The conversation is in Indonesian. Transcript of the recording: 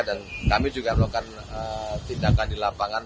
dan kami juga melakukan tindakan di lapangan